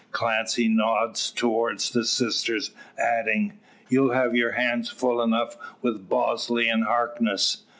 Clancy nods towards the sisters, adding: "You'll have your hands full enough with Bosley and Harkness.